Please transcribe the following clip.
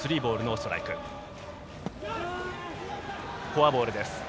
フォアボールです。